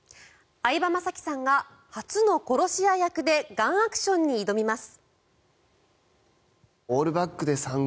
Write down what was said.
相葉雅紀さんが初の殺し屋役でガンアクションに挑みます。